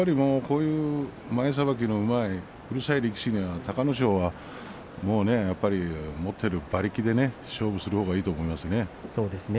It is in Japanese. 前さばきのうまいうるさい力士には隆の勝が持っている馬力で勝負をするのがいいと思います。